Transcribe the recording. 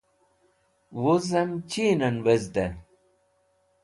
Wuzem Chinen Wezde